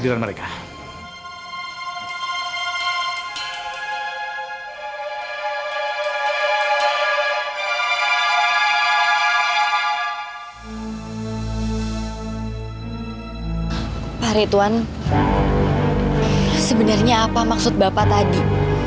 pare tuhan sebenarnya apa maksud bapak tadi